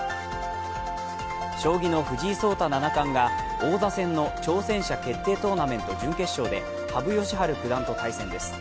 将棋の藤井聡太七冠が王座戦の挑戦者決定トーナメント準決勝で羽生善治九段と対戦です。